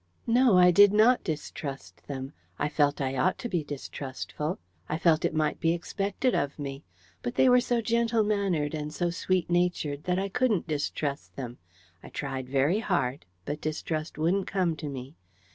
No, I did NOT distrust them. I felt I ought to be distrustful. I felt it might be expected of me. But they were so gentle mannered and so sweet natured, that I couldn't distrust them. I tried very hard, but distrust wouldn't come to me.